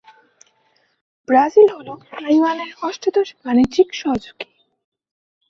Brazil হল তাইওয়ানের অষ্টাদশ বাণিজ্যিক সহযোগী।